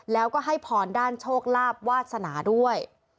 แล้วก็ให้พรด้านโชคลาภวาสนาด้วย